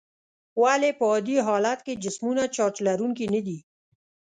ولې په عادي حالت کې جسمونه چارج لرونکي ندي؟